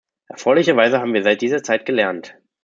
Erfreulicherweise haben wir seit dieser Zeit gelernt.